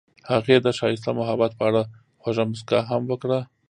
هغې د ښایسته محبت په اړه خوږه موسکا هم وکړه.